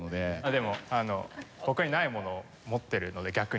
でも僕にないものを持ってるので逆に。